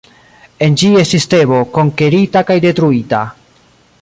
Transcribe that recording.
En ĝi estis Tebo konkerita kaj detruita.